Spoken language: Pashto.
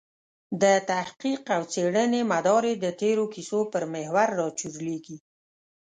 د تحقیق او څېړنې مدار یې د تېرو کیسو پر محور راچورلېږي.